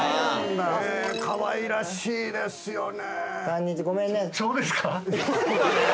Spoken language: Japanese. かわいらしいですよね。